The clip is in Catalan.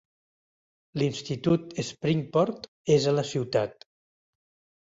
L'institut Springport és a la ciutat.